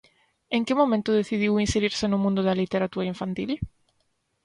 En que momento decidiu inserirse no mundo da literatura infantil?